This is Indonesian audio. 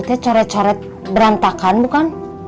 itu ancora cora berantakan bukan